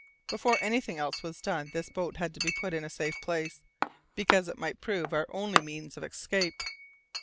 Before anything else was done this boat had to be put in a safe place, because it might prove our only means of escape.